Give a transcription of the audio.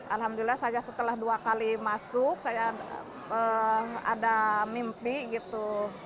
alhamdulillah saya setelah dua kali masuk saya ada mimpi gitu